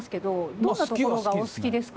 どんなところがお好きですか？